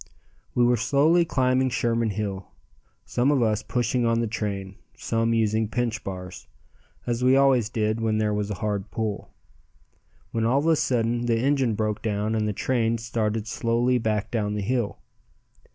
We were slowly climbing Sherman Hill, some of us pushing on the train, some using pinch bars as we always did where there was a hard pull when all of a sudden the engine broke down and the train started slowly back down the hill.